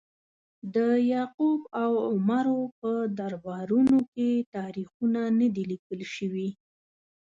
د یعقوب او عمرو په دربارونو کې تاریخونه نه دي لیکل شوي.